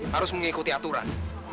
harus mengikuti aturan